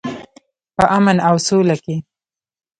په امن او سوله کې.